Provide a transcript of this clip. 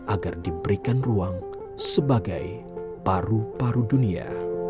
agar diberikan ruang sebagai paru paru dunia